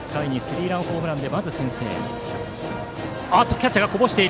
キャッチャー、こぼした。